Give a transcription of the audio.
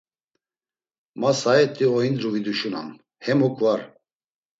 Ma saat̆i oindru viduşunam, hemuk var.